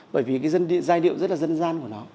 bởi vì cái giai điệu rất là dân gian